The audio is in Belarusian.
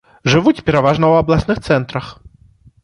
Жывуць пераважна ў абласных цэнтрах.